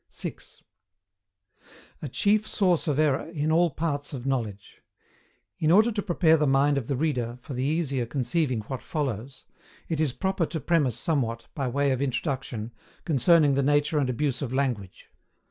6. A CHIEF SOURCE OF ERROR IN ALL PARTS OF KNOWLEDGE. In order to prepare the mind of the reader for the easier conceiving what follows, it is proper to premise somewhat, by way of Introduction, concerning the nature and abuse of Language.